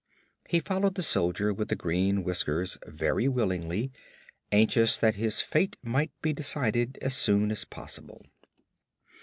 He followed the Soldier with the Green Whiskers very willingly, anxious that his fate might be decided as soon as possible.